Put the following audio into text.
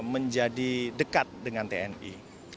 menjadi dekat dengan tni